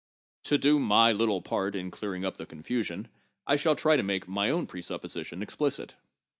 To do my little part in clearing up the confusion, I shall try to make my own presupposition explicit.